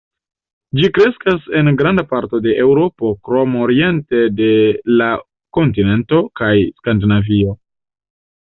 Ĝi kreskas en granda parto de Eŭropo krom oriente de la kontinento kaj Skandinavio.